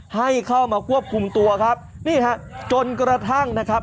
ให้เข้ามาควบคุมตัวครับนี่ฮะจนกระทั่งนะครับ